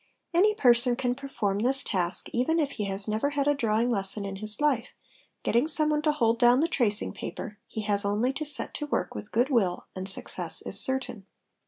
Any person can perform this task even if he has nevér had a drawing lesson in his life, getting someone to hold down the tracing paper, he has only to set to work with good will and success is certain.